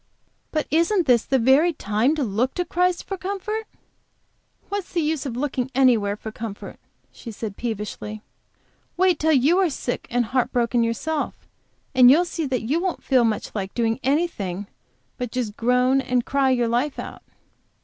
"But isn't this the very time to look to Christ for comfort?" "What's the use of looking anywhere for comfort?" she said, peevishly. "Wait till you are sick and heart broken yourself, and you'll see that you won't feel much like doing anything but just groan and cry your life out."